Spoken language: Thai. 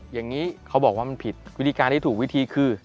อย่างนี้เขาบอกว่ามันผิดวิธีการที่ถูกวิธีคือ